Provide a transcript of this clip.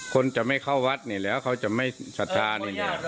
คนจะไม่เข้าวัดเนี่ยแล้วเขาจะไม่สะทาน